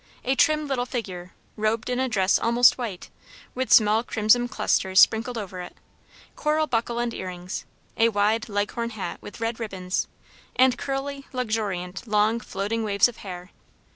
A trim little figure, robed in a dress almost white, with small crimson clusters sprinkled over it, coral buckle and earrings, a wide Leghorn hat with red ribbons, and curly, luxuriant, long, floating waves of hair.